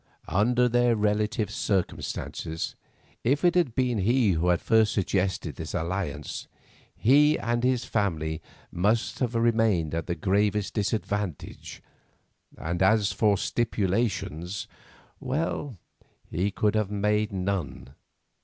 Under their relative circumstances, if it had been he who first suggested this alliance, he and his family must have remained at the gravest disadvantage, and as for stipulations, well, he could have made none.